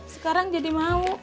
sekarang jadi mau